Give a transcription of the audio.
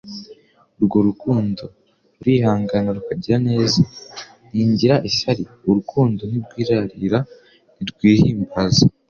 Urwo rukundo «rurihangana rukagira neza, ntingira ishyari, urukundo ntirwirarira, ntirwihimbaza,